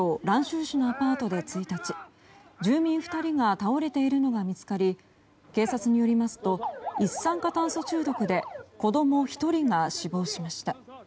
蘭州市のアパートで１日、住民２人が倒れているのが見つかり警察によりますと一酸化炭素中毒で子供１人が死亡しました。